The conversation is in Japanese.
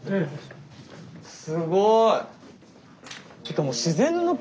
すごい！